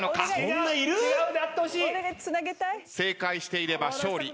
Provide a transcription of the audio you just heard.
正解していれば勝利。